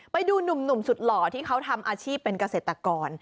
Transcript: ไปดูหนุ่มสุดหล่อที่เขาทำอาชีพเป็นเกษตรกร